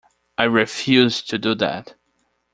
I refuse to do that.